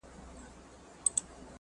نوي نومونه به د سياست لپاره جوړ سي.